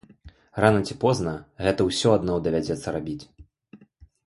Рана ці позна гэта ўсё адно давядзецца рабіць.